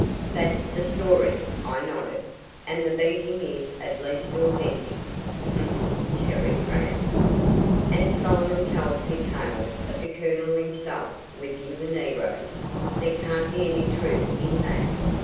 "That's the story," I nodded, "and the beating is at least authentic." "H'm!" Terry frowned. "And Solomon tells me tales of the Colonel himself whipping the negroes there can't be any truth in that?"